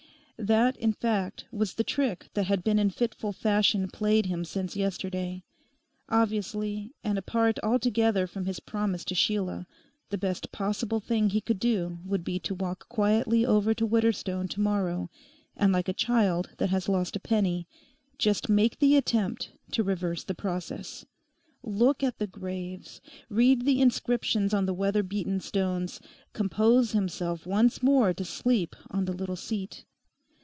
That, in fact, was the trick that had been in fitful fashion played him since yesterday. Obviously, and apart altogether from his promise to Sheila, the best possible thing he could do would be to walk quietly over to Widderstone to morrow and like a child that has lost a penny, just make the attempt to reverse the process: look at the graves, read the inscriptions on the weather beaten stones, compose himself once more to sleep on the little seat.